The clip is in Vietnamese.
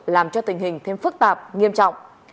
làm cho tình hình thêm phức tạp nghiêm trọng